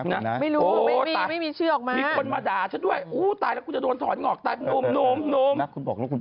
ยังไม่ได้พูดอะไรฉันยังไม่ได้พูด